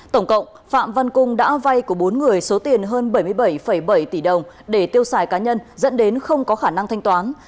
tổng cộng phạm văn cung đã vay của bốn người số tiền hơn bảy mươi bảy bảy tỷ đồng để tiêu xài cá nhân dẫn đến không có khả năng thanh toán